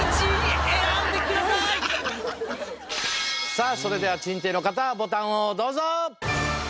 さあそれでは珍定の方ボタンをどうぞ！